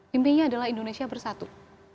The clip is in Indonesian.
mimpinya adalah indonesia bersatu